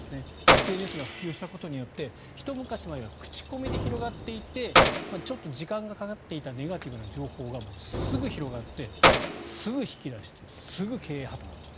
ＳＮＳが普及したことによってひと昔前は口コミで広がっていてちょっと時間がかかっていたネガティブな情報がすぐ広がって、すぐ引き出してすぐ経営破たんという。